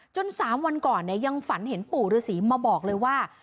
จนสามวันก่อนเนี่ยยังฝันเห็นปู่ฤษีมาบอกเลยว่า